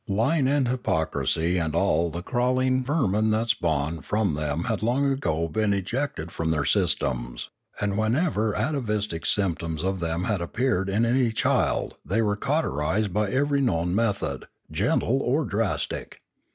laying and hypocrisy and all the crawling vermin that spawn from them had long ago been ejected from their systems; and wherever atavistic symptoms of them had appeared in any child they were cauterised by every known method, gentle or drastic.